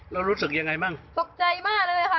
รู้สึกยังไงบ้างตกใจมากเลยค่ะ